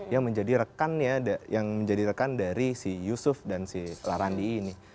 yang menjadi rekan dari si yusuf dan si larandi ini